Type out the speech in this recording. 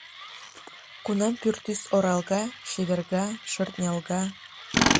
Кунам пӱртӱс оралга, чеверга, шӧртнялга.